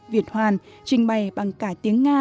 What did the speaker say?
việt hoàn trình bày bằng cả tiếng nga